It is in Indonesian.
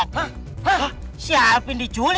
hah si alvin diculik